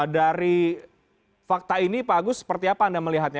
dari fakta ini pak agus seperti apa anda melihatnya